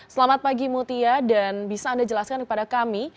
selamat pagi mutia dan bisa anda jelaskan kepada kami